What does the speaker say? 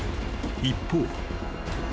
［一方］